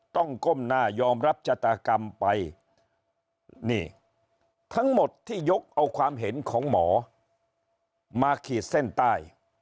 ก้มหน้ายอมรับชะตากรรมไปนี่ทั้งหมดที่ยกเอาความเห็นของหมอมาขีดเส้นใต้